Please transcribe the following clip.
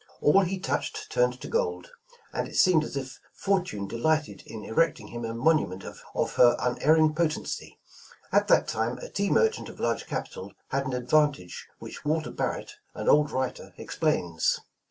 All he touched turned to gold, and it seemed as if fortune delighted in erecting him a monument of her unerring potency. '' At that time a tea merchant of large capital, had an advantage which Walter Barrett, an old writer, explains.